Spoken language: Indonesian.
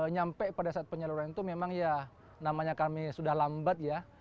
nyampe pada saat penyaluran itu memang ya namanya kami sudah lambat ya